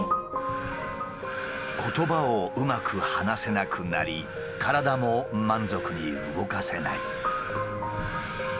言葉をうまく話せなくなり体も満足に動かせない。